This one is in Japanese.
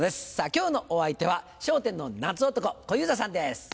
今日のお相手は『笑点』の夏男小遊三さんです。